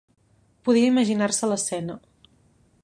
Podia imaginar-se l'escena.